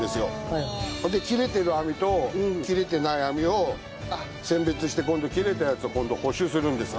で切れてる網と切れてない網を選別して切れたやつを今度補修するんです。